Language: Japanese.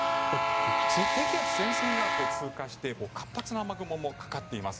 低気圧、前線が通過して活発な雨雲もかかっています。